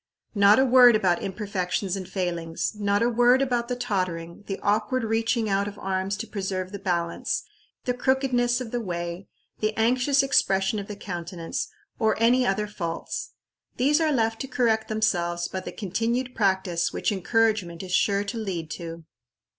Not a word about imperfections and failings, not a word about the tottering, the awkward reaching out of arms to preserve the balance, the crookedness of the way, the anxious expression of the countenance, or any other faults. These are left to correct themselves by the continued practice which encouragement is sure to lead to.